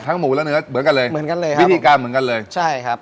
ทั้งหมูและเนื้อเหมือนกันเลยวิธีการเหมือนกันเลยใช่ครับ